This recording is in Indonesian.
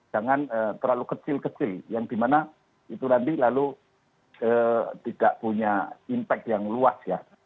jangan terlalu kecil kecil yang dimana itu nanti lalu tidak punya impact yang luas ya